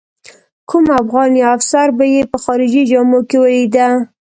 کوم افغان یا افسر به یې په خارجي جامو کې ولیده.